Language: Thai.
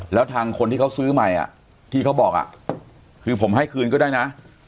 แล้วทางคนที่เขาซื้อใหม่ที่เขาบอกคือผมให้คืนก็ได้นะ